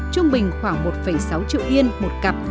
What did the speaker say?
trung bình khoảng một sáu triệu yên một cặp